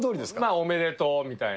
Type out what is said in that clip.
おめでとう、みたいな。